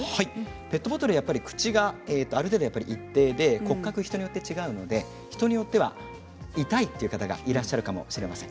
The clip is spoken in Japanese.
ペットボトルは口がある程度、一定で骨格は人によって違うので人によっては痛いという方がいらっしゃるかもしれません。